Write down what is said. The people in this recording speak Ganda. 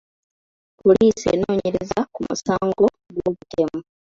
Poliisi enoonyereza ku musango gw'obutemu.